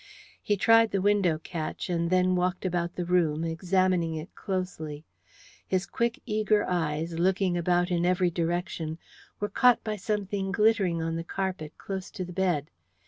He tried the window catch, and then walked about the room, examining it closely. His quick, eager eyes, looking about in every direction, were caught by something glittering on the carpet, close to the bed.